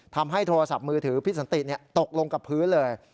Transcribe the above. โทรศัพท์มือถือพี่สันติตกลงกับพื้นเลย